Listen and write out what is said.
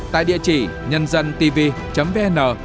tại địa chỉ nhân dân tv vn